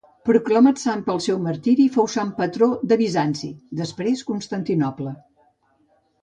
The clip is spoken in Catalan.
Proclamat sant pel seu martiri, fou sant patró de Bizanci, després Constantinoble.